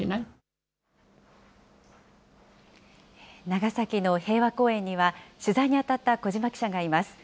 長崎の平和公園には、取材に当たった小島記者がいます。